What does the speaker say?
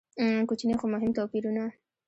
کوچني خو مهم توپیرونه.